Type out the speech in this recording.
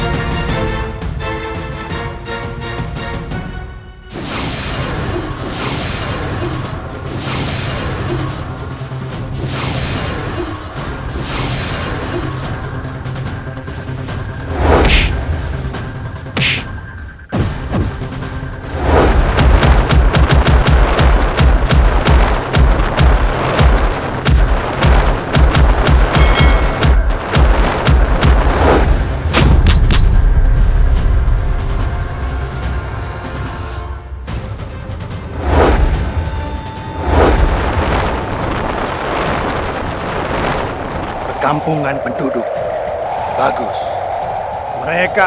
kau benar maesha